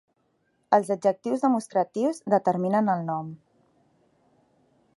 Els adjectius demostratius determinen el nom.